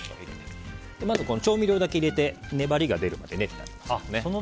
まず調味料だけ入れて粘りが出るまで練ってあげますね。